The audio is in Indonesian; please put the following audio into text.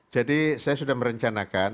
jadi saya sudah merencanakan